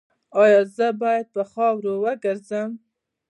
ایا زه باید په خاورو وګرځم؟